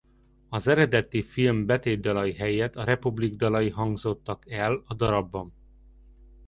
Az eredeti film betétdalai helyett a Republic dalai hangzottak el a darabban.